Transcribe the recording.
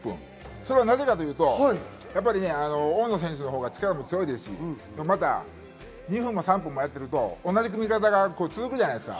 それはなぜかというと大野選手のほうが力も強いですし、２３本やってると同じく組み方が続くじゃないですか。